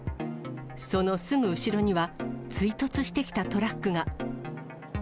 そのすぐ後ろには、追突してきたトラックが。